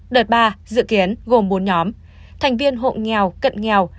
đợt ba dự kiến gồm bốn nhóm thành viên hộ nghèo cận nghèo